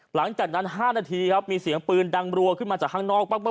หลังจากนั้น๕นาทีครับมีเสียงปืนดังรัวขึ้นมาจากข้างนอกมาก